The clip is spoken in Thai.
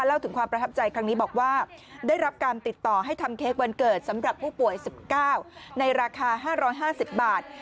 เล่าถึงความประทับใจครั้งนี้บอกว่าได้รับการติดต่อให้ทำเค้กวันเกิดสำหรับผู้ป่วย๑๙ในราคา๕๕๐บาท